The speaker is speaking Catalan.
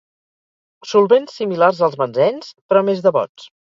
Solvents similars als benzens, però més devots.